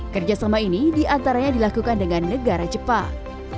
kerjasama ini diantaranya dilakukan dengan negara jepang